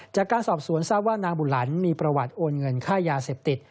จากการสอบสวนทราบว่านางบุหลันมีประวัติโอนเงินค่ายาเสพติด